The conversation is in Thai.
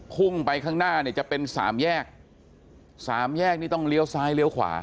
พุ่งไปข้างหน้าเนี่ยจะเป็นสามแยกสามแยกนี่ต้องเลี้ยวซ้ายเลี้ยวขวา